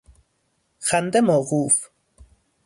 خنده موقوف!